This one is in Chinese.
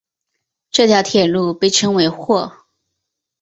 这条铁路被称为或。